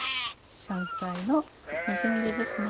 香菜のみじん切りです。